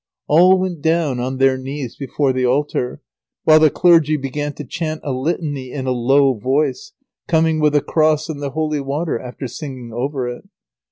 All went down on their knees before the altar, while the clergy began to chant a litany in a low voice, coming with a cross and the holy water, after singing over it.